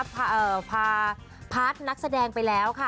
พาพาร์ทนักแสดงไปแล้วค่ะ